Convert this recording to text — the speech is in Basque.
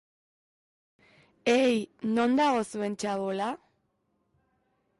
Ei, non dago zuen txabola?